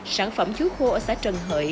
sản phẩm chuối khô ở xã trần hợi